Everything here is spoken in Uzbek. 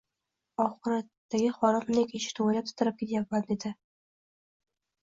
Oxiratdagi holim ne kechishini o‘ylab titrab ketayapman», dedi